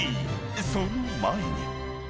その前に］